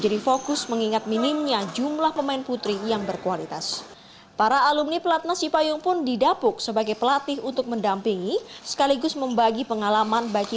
dengan sistem pelatihan yang terencana dengan baik